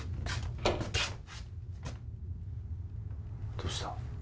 どうした？